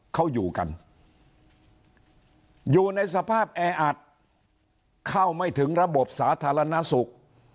เขาอยู่กันอยู่ในสภาพแออัดเข้าไม่ถึงระบบสาธารณสุข